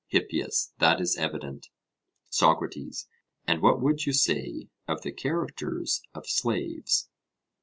HIPPIAS: That is evident. SOCRATES: And what would you say of the characters of slaves?